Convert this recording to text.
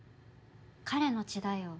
彼の血だよ。